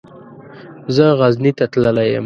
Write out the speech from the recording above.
زه غزني ته تللی يم.